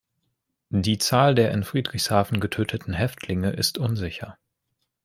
Die Zahl der in Friedrichshafen getöteten Häftlinge ist unsicher.